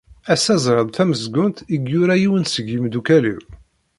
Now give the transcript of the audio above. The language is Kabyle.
Assa ẓriɣ-d tamezgunt i yura yiwen seg imdukal-iw.